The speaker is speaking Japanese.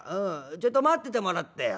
ちょいと待っててもらってよ。